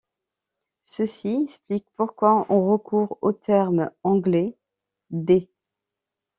Ceci explique pourquoi on recourt au terme anglais d'.